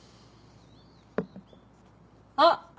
あっ！